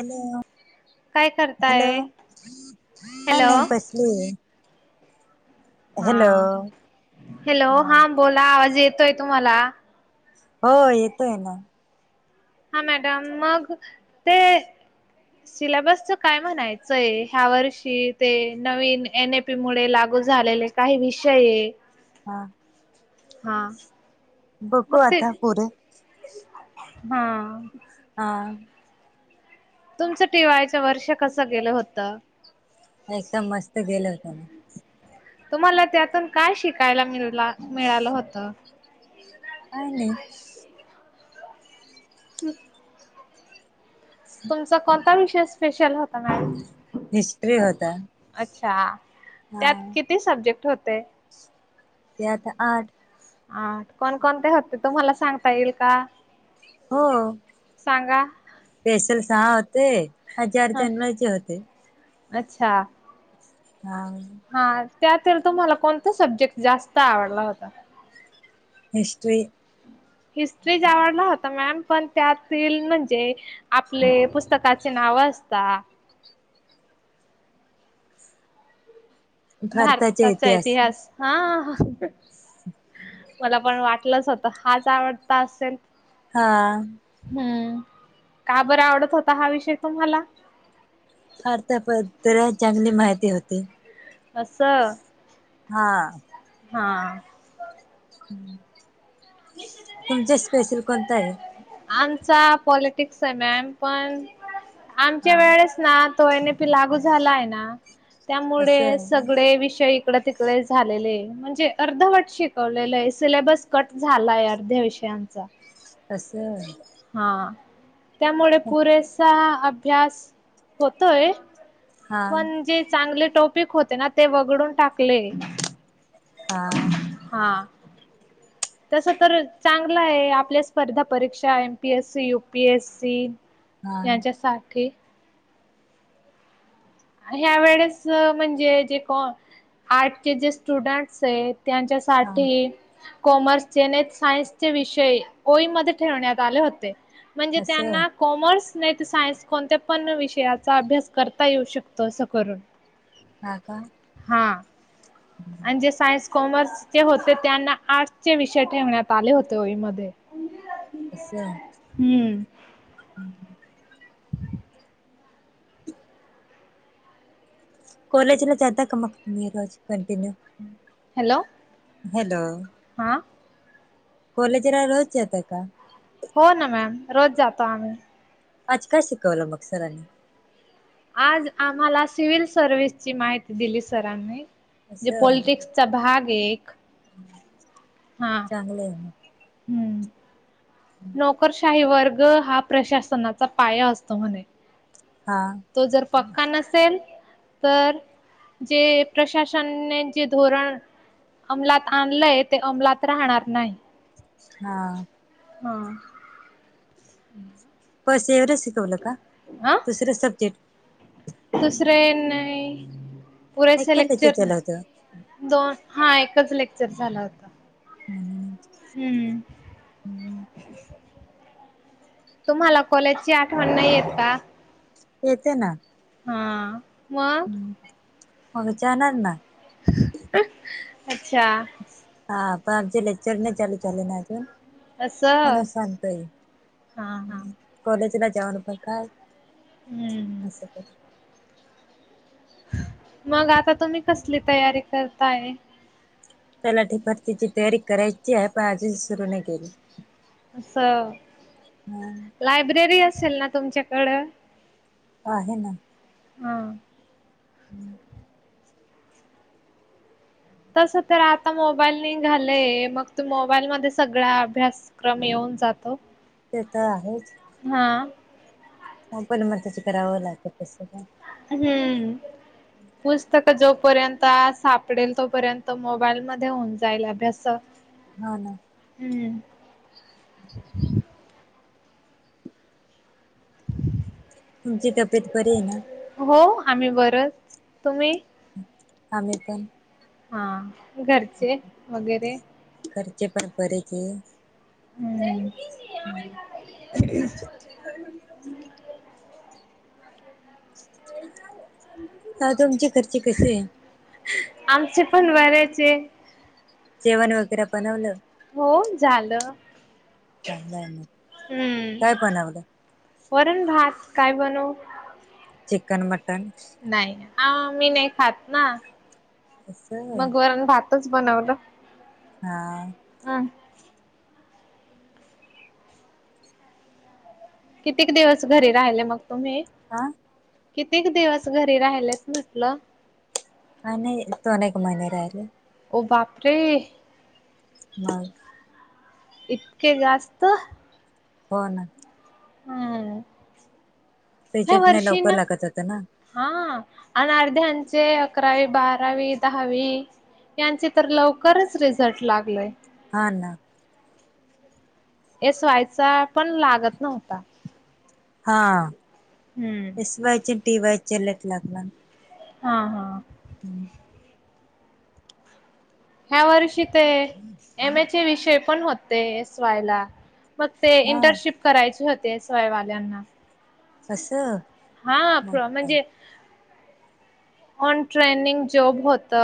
Hello काय hello करताय? काय हॅलो. नाही बसलीये. हा हॅलो हा बोला आवाज येतोय तुम्हाला? हो येतोय ना. हा मॅडम मग ते सिल्याबसच काय म्हणायचंय ह्या वर्षी ते नवीन एन ए पी मुळे लागू झालेले. काही विषय हा हा. बघु मग ते आता पोराचं हा. हा. तुमचं टी वाय चं वर्ष कसं गेलं होतं? एकदम मस्त गेलं होतं ना. तुम्हाला त्यातून काय शिकायला मिळला मिळालं होतं. काय नाही. हम्म तुमचा कोणता विषय स्पेशल होता मॅम. हिस्ट्री होता अच्छा हा त्यात किती सब्जेक्ट होते? त्यात आठ. आठ कोणकोणते होते तुम्हाला सांगता येईल का? हो सांगा स्पेशल सहा होते हजार ह जन्माचे होते. अच्छा. हा. हा त्यातील तुम्हाला कोणता सब्जेक्ट जास्त आवडला होता? हिस्ट्री. हिस्ट्रीच [unintelligible] होता मॅम पण त्या फिल्ड म्हणजे आपले पुस्तकाचे नाव असता. भारताचा इतिहास हा मला पण वाटलंच होत हाच आवडता असेल. हा. हम्म का बर आवडत होता हा विषय तुम्हाला? भारता बद्दल चांगली माहिती होती. असं. हा हा. तुमचा स्पेशल कोणता आहे? आमचा पॉलिटिक्स आहे मॅम. पण आमच्या हा वेळेस तो एन‌ ए पी लागू झाला आहे ना त्यामुळे असं सगळे विषय इकड तिकडं झालेलं आहे. म्हणजे अर्धवट शिकवले सिलेबस कट झालाय अर्ध्या विषयांचा. अस. हा त्यामुळे पुरेसा अभ्यास होतोय. हा पण जे चांगले टॉपिक होते ना ते वगळून टाकले. हा. हां. तस तर चांगलं आहे. आपल्या स्पर्धा परीक्षा M P S C, U P S C. हा यांच्यासाठी. ह्या वेळेस म्हणजे जे कोण आर्टचे जे स्टुडंट्स हेत त्यांच्या हा साठी. कॉमर्सचे ने सायन्सचे विषय ओईमध्ये ठेवण्यात आले होते. म्हणजे असं त्यांना कॉमर्स नाही त सायन्स कोणत्या पण विषयाचा अभ्यास करता येऊ शकतो असं करून. हा का, हा, आणि जे सायन्स कॉमर्स ते होते त्यांना आर्ट चे विषय ठेवण्यात आले होते ओईमध्ये. असं ह हम्म ह, [inaudible] कॉलेजला ज्याता का मग तुम्ही रोज कंन्टीनू. हॅलो, हॅलो, हा, कॉलेजला रोज जाता का? हो ना मॅम, रोज जातो आम्ही. आज काय शिकवलं मग सरांनी? आज आम्हाला सिव्हिल सर्विस ची माहिती दिली सरांनी. जे असं पॉलिटिक्स चा भाग एक. हा चांगलं हे मग हम्म, नोकरशाही वर्ग हा प्रशासनाचा पाया असतो म्हणे. हां, तो जर पक्का नसेल तर, जे प्रशासनने जे धोरण अंमलात आणलंय, ते अंमलात राहणार नाही. हा, हा, [inaudible] बस एवरेस शिकवलं का, आ दुसरे सब्जेक्ट दुसरे नाही. पुरेसे ऐकायला लेक्चर त्याच्याला होतं दोन, हा एकच लेक्चर झाला होता. [unintelligible] हम्म हम्, तुम्हाला कॉलेज ची आठवण नाही येत का? येते ना. हा, मग हम्म, मग च्या नन्ना अच्छा. हा, पण आमचे लेक्चर नाही चालू झाले ना अजून. असं म्हणून सांगतेय. हा हा कॉलेजला जाऊन पण काय? हम्म, असं कर. मग आता तुम्ही कसली तयारी करताय? तलाठी भरतीची तयारी करायची आहे. पण अजून सुरू नाही केली. असं हम्म, लायब्ररी असेल ना, तुमच्याकडं? आहे ना. हा. हम्म. तसं तर आता मोबाईल निघालय मग तू मोबाईल मध्ये सगळा अभ्यास क्रम येऊन जातो. ते तर आहेच. हा. हो, पण मग त्याचे करावं लागतं असेल ना? हम्म, पुस्तक तो जोपर्यंत सापडेल, तोपर्यंत मोबाईल मध्ये होऊन जाईल अभ्यास. हा ना. हम्म. [inaudible] तुमची तब्येत बरी आहे ना? हो, आम्ही बरंच. तुम्ही? आम्ही पण. हा. घरचे, वगैरे. घरचे पण, बरे आहे की. हम्म. [unintelligible] ताई, तुमचे घरचे कसे आहे? आमचे पण, बरेचे. जेवण वगैरे बनवलं? हो, झालं. चांगलं आहे ना, काय हम्म बनवलं? वरण भात, काय बनवू? चिकन मटण? नाही, मी नाही खात ना. असं मग वरण भातच बनवलं. हा. आ. कितीक दिवस, घरी राहिले मग तुम्ही? आ? कित्येक दिवस, घरी राहिलेत म्हटलं? काय नाही, दोन एक महिने राहिले. ओ बापरे! मग? इतके जास्त? हो ना. हम्म. या रिजल्ट नाही वर्षीं लवकर ना लागत होत ना हा, अन अर्ध्यांचे अकरावी, बारावी, दहावी त्यांचे तर, लवकरच रिझल्ट लागलोय. हा ना. एस. वाय. चा पण लागत नव्हता. हा, हम्म एस. वाय. चे अन टी. वाय. चे लेट लागणार. हा हा. हम.. ह्या वर्षी ते एम ए चे विषय पण होते एस वाय ला. मग ते हा इंटर्नशिप करायची होते एस वाय वाल्यांना. असं.. हा फ्रॉम म्हणजे? ऑन ट्रेनिंग जॉब होत.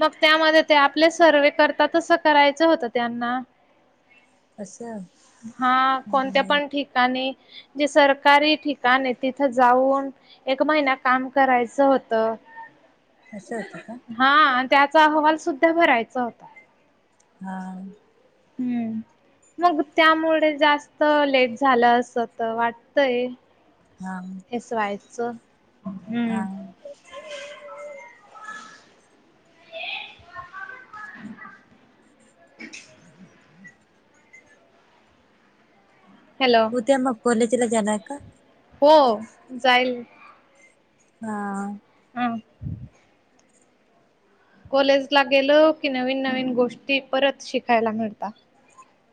मग त्यामध्ये ते आपले सर्वे करतातसं करायचं होतं त्यांना. असं... हा कोणत्या पण ठिकाणी जे सरकारी ठिकाण तिथं जाऊन, एक महिना काम करायचं होतं. अस होत का, हा आणि त्याचा अहवाल सुद्धा भरायचा होता. हा.. हम्म.. मग त्यामुळे जास्त लेट झालं असं तर वाटतय. हा एस वायचं हा हम्म.. [unintelligible] हॅलो! ! त्या मग कॉलेज ला जाणार का? हो जाईल. हा.. हं.. कॉलेज ला गेल की नवीन नवीन गोष्टी परत शिकायला मिळतात.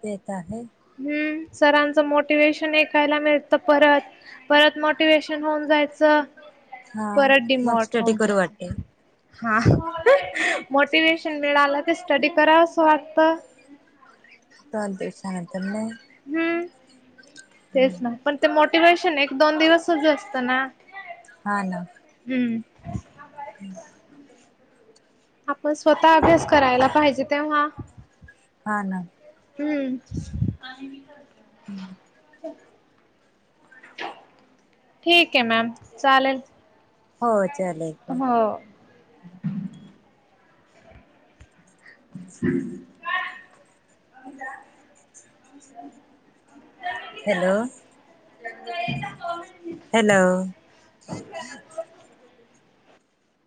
ते त आहे. हम्म सरांचं मोटिवेशन ऐकायला मिळतं परत, परत मोटिवेशन होऊन जायचं, परत होऊन हा जायचं, परत डीम मग मोठ स्टडी होऊन करू जायच. वाटते हा मोटिवे्शन मिळालं ते स्टडी कराव असं वाटतं. चालतंय [inaudible] हम्म तेच ना, पण ते, मोटिवेशन एक, दोन दिवस ज असतं ना, हा ना, हम्म! ! ह.. आपण स्वतः अभ्यास करायला पाहिजे तेव्हा- हा ना, हम्म! हम्म!.. ठीक हे आहे मॅम चालेल. हो चालेल. हो. हो. [unintelligible] हॅलो! [inaudible] हॅलो! !